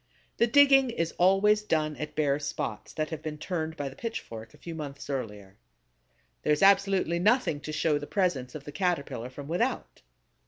The digging is always done at bare spots that have been turned by the pitchfork a few months earlier. There is absolutely nothing to show the presence of the Caterpillar from without.